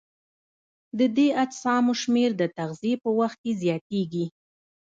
د دې اجسامو شمېر د تغذیې په وخت کې زیاتیږي.